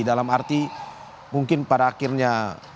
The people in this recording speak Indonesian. dalam arti mungkin pada akhirnya